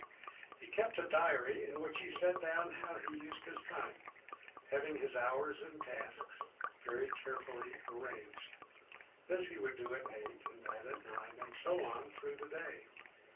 He kept a diary in which he set down how he used his time; having his hours and tasks very carefully arranged, this he would do at eight, and that at nine, and so on through the day.